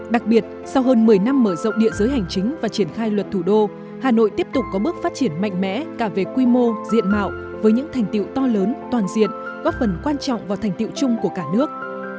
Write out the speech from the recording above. đặc biệt sau hơn một mươi năm mở rộng địa giới hành chính và triển khai luật thủ đô hà nội tiếp tục có bước phát triển mạnh mẽ cả về quy mô diện mạo với những thành tiệu to lớn toàn diện góp phần quan trọng vào thành tiệu chung của cả nước